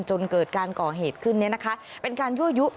จนเกิดการก่อเหตุขึ้นเนี่ยนะคะเป็นการยั่วยุ